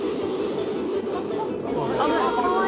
危ない。